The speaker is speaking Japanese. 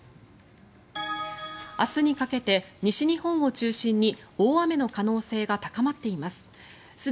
明日にかけて西日本を中心に大雨の可能性が高まっています。